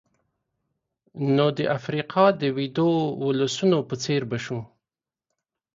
نو د افریقا د ویدو ولسونو په څېر به شو.